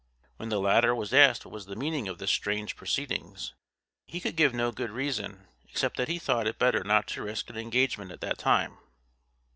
When the latter was asked what was the meaning of this strange proceeding, he could give no good reason, except that he thought it better not to risk an engagement at that time.